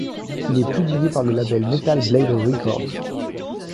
Il est publié par le label Metal Blade Records.